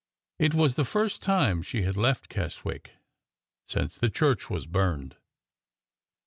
It was the first time she had left Keswick since the church was burned.